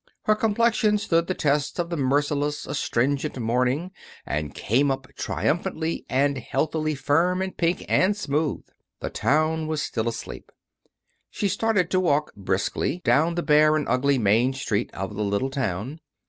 Her complexion stood the test of the merciless, astringent morning and came up triumphantly and healthily firm and pink and smooth. The town was still asleep. She started to walk briskly down the bare and ugly Main Street of the little town.